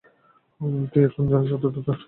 তুমি এখন যা, সেটা যথার্থ ব্যক্তিস্বাতন্ত্র্য নয়।